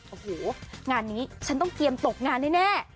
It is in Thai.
โอ้โหงานนี้ฉันต้องเตรียมตกงานแน่